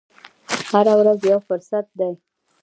هره ورځ یو فرصت دی.